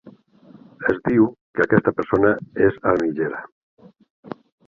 Es diu que aquesta persona és armigera.